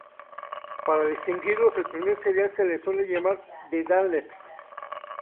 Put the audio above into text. Para distinguirlos, al primer serial se le suele llamar "The Daleks".